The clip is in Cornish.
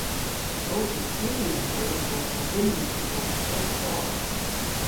Ow dustunians a yll bos govynnys dhyworth ow skol.